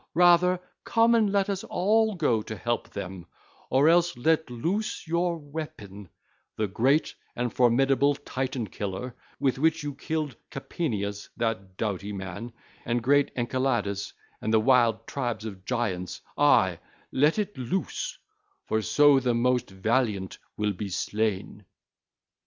Rather, come and let us all go to help them, or else let loose your weapon, the great and formidable Titan killer with which you killed Capaneus, that doughty man, and great Enceladus and the wild tribes of Giants; ay, let it loose, for so the most valiant will be slain.